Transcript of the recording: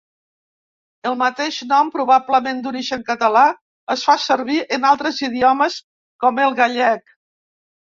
El mateix nom, probablement d'origen català, es fa servir en altres idiomes, com el gallec.